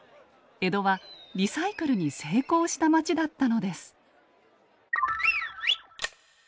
江戸はリサイクルに成功した街だったのです。